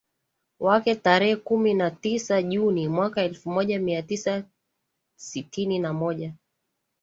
wake tarehe kumi na tisa Juni mwaka elfu moja Mia Tisa sitini na moja